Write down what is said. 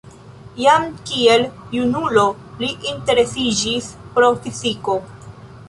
Jam kiel junulo li interesiĝis pro fiziko.